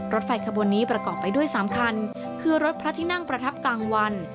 รถไฟขบวนนี้ประกอบไปด้วย๓คันคือรถพระที่นั่งประทับกลางวัน